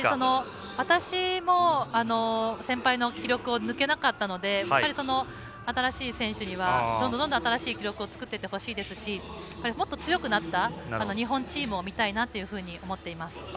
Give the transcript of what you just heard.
私も先輩の記録を抜けなかったので新しい選手にはどんどん新しい記録を作っていってほしいですしもっと強くなった日本チームを見たいなというふうに思っています。